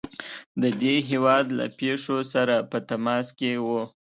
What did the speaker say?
د دې هیواد له پیښو سره په تماس کې وو.